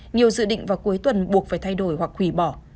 nhiều dự định vào cuối tuần buộc phải thay đổi hoặc hủy bỏ